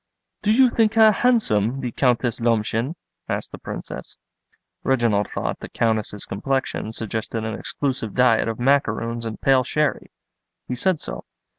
"Do you think her handsome, the Countess Lomshen?" asked the Princess. Reginald thought the Countess's complexion suggested an exclusive diet of macaroons and pale sherry. He said so.